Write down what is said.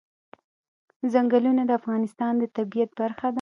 ځنګلونه د افغانستان د طبیعت برخه ده.